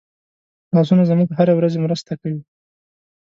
لاسونه زموږ هره ورځي مرسته کوي